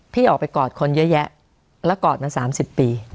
พี่ออกไปกอดคนเยอะแยะแล้วกอดมา๓๐ปี